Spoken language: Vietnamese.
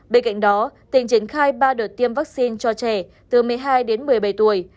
bên cạnh đó tỉnh triển khai ba đợt tiêm vaccine cho trẻ từ một mươi hai đến một mươi bảy tuổi